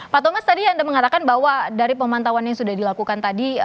pak thomas tadi anda mengatakan bahwa dari pemantauan yang sudah dilakukan tadi